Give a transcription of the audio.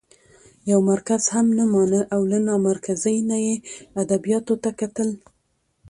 يو مرکز هم نه مانه او له نامرکزۍ نه يې ادبياتو ته کتل؛